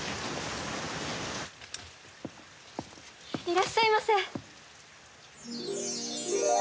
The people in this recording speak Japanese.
いらっしゃいませ。